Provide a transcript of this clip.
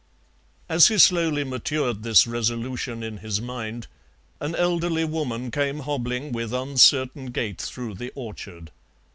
As he slowly matured this resolution in his mind an elderly woman came hobbling with uncertain gait through the orchard.